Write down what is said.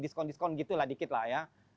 diskon diskon gitu lah dikit lah ya